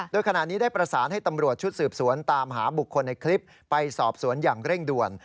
โดยขณะนี้ได้ประสานให้ตำรวจชุดสืบสวนตามหาบุคคลในคลิปไปสอบสวนอย่างเร่งด่วน